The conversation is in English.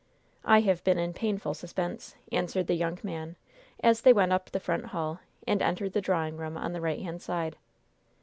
"I have been in painful suspense," answered the young man, as they went up the front hall, and entered the drawing room on the right hand side.